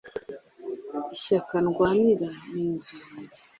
Ishyaka ndwanira ni inzu yanjye